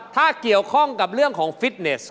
ถ้าเกี่ยวข้องกับเรื่องของฟิตเนส